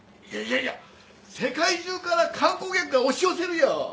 いやいやいや世界中から観光客が押し寄せるよ。